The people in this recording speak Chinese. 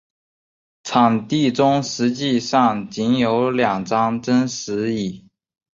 场地中实际上仅放有两张真实椅。